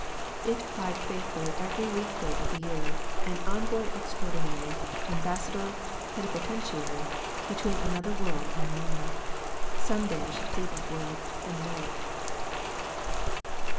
It plied faithfully every week day of the year, an envoy extraordinary, ambassador plenipotentiary, between another world and mine. Some day I should see that world and know it.